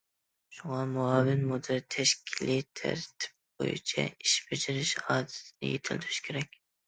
شۇڭا، مۇئاۋىن مۇدىر تەشكىلىي تەرتىپ بويىچە ئىش بېجىرىش ئادىتىنى يېتىلدۈرۈشى كېرەك.